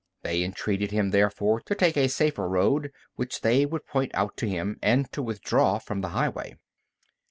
They entreated him therefore to take a safer road, which they would point out to him, and to withdraw from the highway.